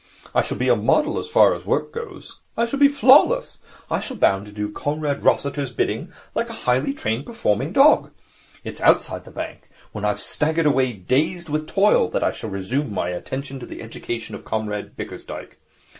I shall be a model as far as work goes. I shall be flawless. I shall bound to do Comrade Rossiter's bidding like a highly trained performing dog. It is outside the bank, when I have staggered away dazed with toil, that I shall resume my attention to the education of Comrade Bickersdyke.'